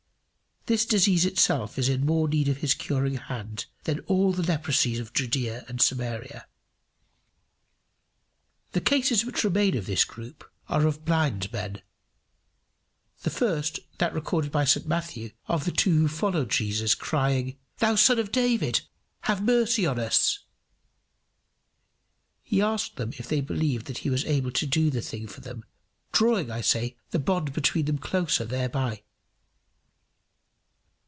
This disease itself is in more need of his curing hand than all the leprosies of Judaea and Samaria. The cases which remain of this group are of blind men the first, that recorded by St Matthew of the two who followed Jesus, crying, "Thou Son of David, have mercy on us." He asked them if they believed that he was able to do the thing for them, drawing, I say, the bond between them closer thereby.